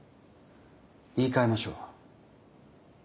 言いかえましょう。